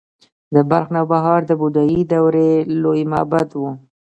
د بلخ نوبهار د بودايي دورې لوی معبد و